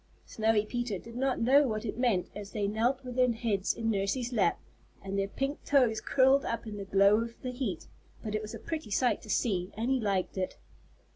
Snowy Peter did not know what it meant as they knelt with their heads in Nursey's lap, and their pink toes curled up in the glow of the heat, but it was a pretty sight to see, and he liked it.